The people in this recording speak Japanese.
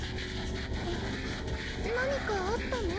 んっ何かあったの？